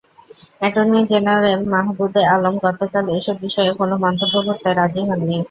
Attorney general Mahbube Alam গতকাল এসব বিষয়ে কোনো মন্তব্য করতে রাজি হননি।